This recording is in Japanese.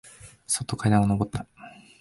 そっと階段をのぼった。